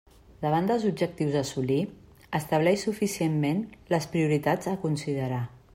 Davant dels objectius a assolir, estableix suficientment les prioritats a considerar.